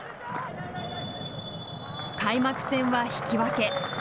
開幕戦は引き分け。